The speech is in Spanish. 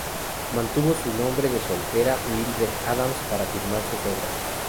Mantuvo su nombre de soltera, Mildred Adams, para firmar sus obras.